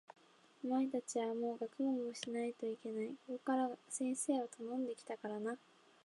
お前たちはもう学問をしないといけない。ここへ先生をたのんで来たからな。